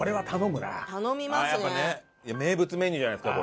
やっぱね名物メニューじゃないですか？